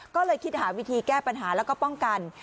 ก็เลยคิดหาวิธีแก้ปัญหาแล้วก็ป้องกัน